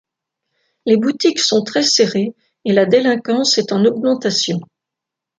Les boutiques sont très serrées et la délinquance est en augmentation.